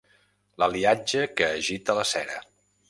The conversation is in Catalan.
L'aliatge que agita la cera.